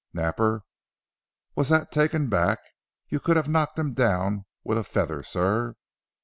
Napper was that taken aback you could have knocked him down with a feather sir.